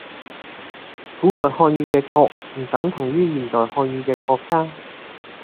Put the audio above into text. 古代漢語中嘅「國」唔等同現代嘅「國家」